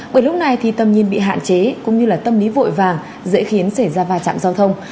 bởi lúc này thì tầm nhìn bị hạn chế cũng như là tâm lý vội vàng dễ khiến xảy ra va chạm giao thông